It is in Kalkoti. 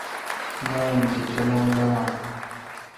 گا این تے تلون لدان۔